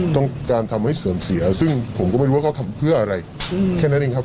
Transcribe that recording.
ต้องการทำให้เสื่อมเสียซึ่งผมก็ไม่รู้ว่าเขาทำเพื่ออะไรแค่นั้นเองครับ